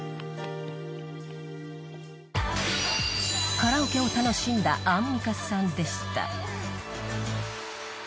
［カラオケを楽しんだアンミカさんでした］